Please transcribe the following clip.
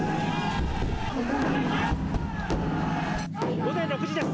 午前６時です。